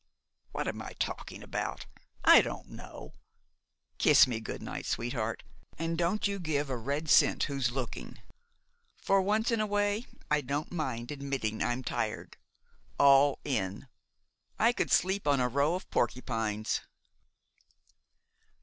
What am I talking about? I don't know. Kiss me good night, sweetheart, and don't you give a red cent who's looking. For once in a way, I don't mind admitting that I'm tired all in. I could sleep on a row of porcupines."